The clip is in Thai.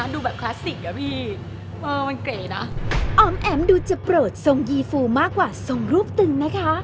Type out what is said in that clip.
ดูมากกว่าส่งรูปตึงนะคะ